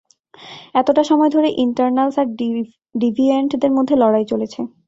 এতটা সময় ধরে ইটারনালস আর ডিভিয়েন্টদের মধ্যে লড়াই চলেছে।